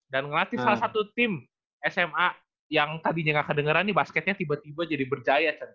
dan ngelatih salah satu tim sma yang tadinya gak kedengeran nih basketnya tiba tiba jadi berjaya